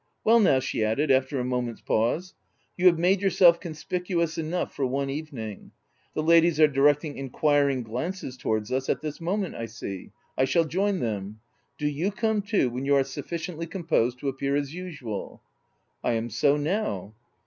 Well now," she added, after a moment's pause, " you have made yourself conspicuous enough for one evening. The ladies are directing inquiring glances towards us at this moment I see. I shall join them. Do you come too, when you are sufficiently composed to appear as usual." U I am so now."